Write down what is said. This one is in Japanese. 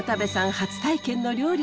初体験の料理。